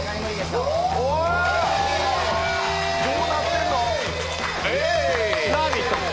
どうなってんの？